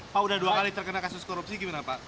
pak udah dua kali terkena kasus korupsi gimana pak